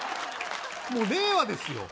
もう令和ですよ